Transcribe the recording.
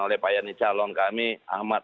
oleh pak yani calon kami ahmad